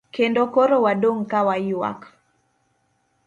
Kendo koro wadong' kawaywak.